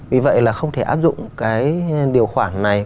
vì vậy là không thể áp dụng cái điều khoản này